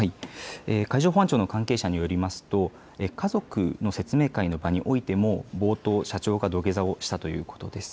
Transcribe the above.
海上保安庁の関係者によりますと家族の説明会の場においても冒頭、社長が土下座をしたということです。